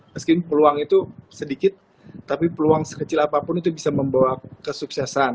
meskipun peluang itu sedikit tapi peluang sekecil apapun itu bisa membawa kesuksesan